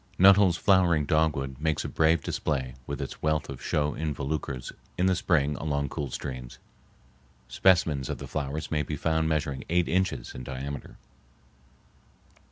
Nuttall's flowering dogwood makes a brave display with its wealth of show involucres in the spring along cool streams. Specimens of the flowers may be found measuring eight inches in diameter.